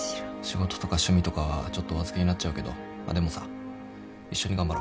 仕事とか趣味とかはちょっとお預けになっちゃうけどでもさ一緒に頑張ろう。